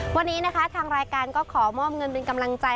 วันนี้นะคะทางรายการก็ขอมอบเงินเป็นกำลังใจ